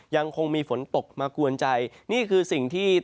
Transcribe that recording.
ยังคงมีฝนตกมากวนใจ